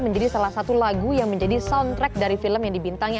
menjadi salah satu lagu yang menjadi soundtrack dari film yang dibintangi